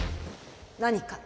何か？